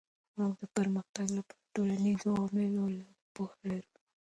موږ د پرمختګ لپاره د ټولنيزو علومو لږه پوهه لرو.